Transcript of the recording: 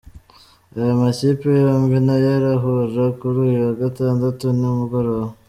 Aya makipe yombi nayo arahura kuri uyu wa gatandatu nimugoroba.